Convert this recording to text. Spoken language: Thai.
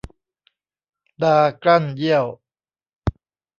ดากลั้นเยี่ยว